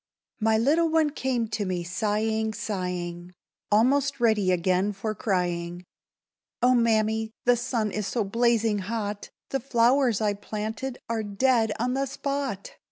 My little one came to me sighing, sighing, Almost ready again for crying. "Oh, Mammy! the sun is so blazing hot, The flowers I planted are dead on the spot!"